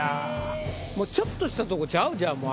もうちょっとしたとこちゃう？